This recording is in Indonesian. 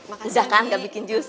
udah kan ga bikin jus